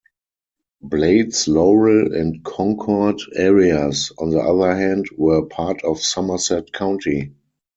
Blades, Laurel, and Concord areas, on the other hand, were part of Somerset County.